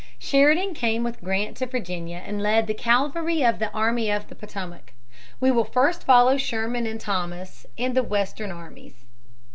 Sheridan came with Grant to Virginia and led the cavalry of the Army of the Potomac. We will first follow Sherman and Thomas and the Western armies.